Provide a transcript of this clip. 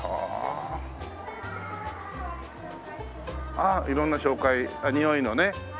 ああ色んな紹介においのね。